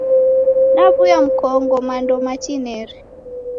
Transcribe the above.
Naw'uya mkongo mando matineri.